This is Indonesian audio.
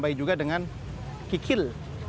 ditambah juga dengan kikil